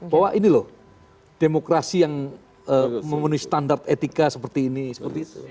bahwa ini loh demokrasi yang memenuhi standar etika seperti ini seperti itu